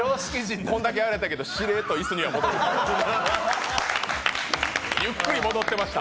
こんだけ荒れたけど、しれっと椅子に戻ります。